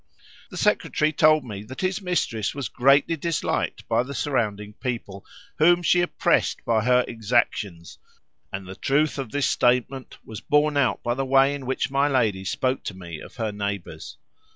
The secretary told me that his mistress was greatly disliked by the surrounding people, whom she oppressed by her exactions, and the truth of this statement was borne out by the way in which my lady spoke to me of her neighbours.